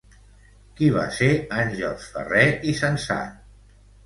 Qui va ser Àngels Ferrer i Sensat?